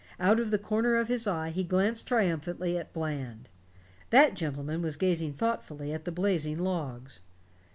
Out of the corner of his eye he glanced triumphantly at Bland. That gentleman was gazing thoughtfully at the blazing logs.